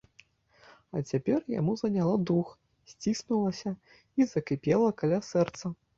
А цяпер яму заняло дух, сціснулася і закіпела каля сэрца.